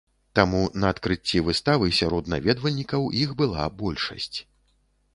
Таму на адкрыцці выставы сярод наведвальнікаў іх была большасць.